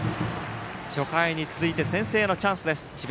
初回に続いて先制のチャンス智弁